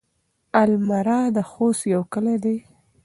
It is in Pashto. المره د خوست يو کلی دی.